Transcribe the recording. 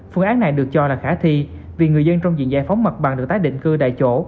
phương án này được cho là khả thi vì người dân trong diện giải phóng mặt bằng được tái định cư tại chỗ